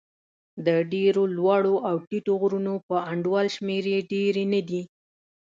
د ډېرو لوړو او ټیټو غرونو په انډول شمېرې ډېرې نه دي.